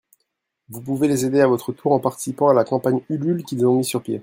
vous pouvez les aider à votre tour en participant à la campagne Ulule qu'ils ont mis sur pied.